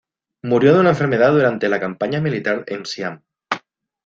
Murió de una enfermedad durante la campaña militar en Siam.